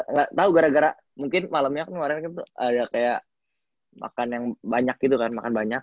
nggak tahu gara gara mungkin malamnya kemarin tuh ada kayak makan yang banyak gitu kan makan banyak